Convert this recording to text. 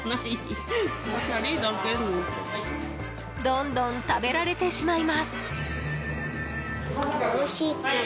どんどん食べられてしまいます。